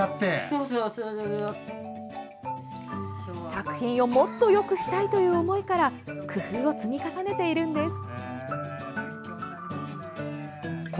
作品をもっとよくしたいという思いから工夫を積み重ねているんです。